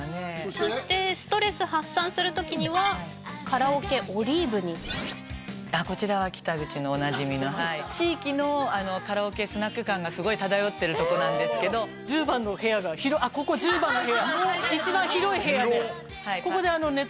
そしてストレス発散する時にはカラオケオリーブにこちらは北口のおなじみのはい地域のカラオケスナック感がすごい漂ってるとこなんですけど１０番の部屋が広ここ１０番の部屋一番広い部屋広っ！